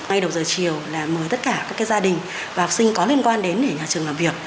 ngay đầu giờ chiều là mời tất cả các gia đình và học sinh có liên quan đến để nhà trường làm việc